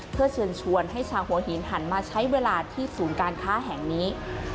เพื่อเชิญชวนให้ชาวหัวหินหันมาใช้เวลาที่ศูนย์การค้าแห่งนี้